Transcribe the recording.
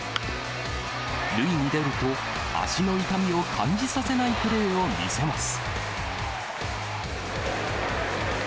塁に出ると、足の痛みを感じさせないプレーを見せます。